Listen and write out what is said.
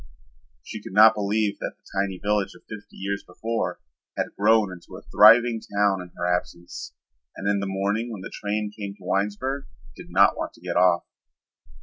She could not believe that the tiny village of fifty years before had grown into a thriving town in her absence, and in the morning when the train came to Winesburg did not want to get off.